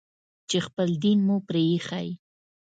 چې خپل دين مو پرې ايښى.